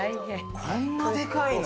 こんなでかいの？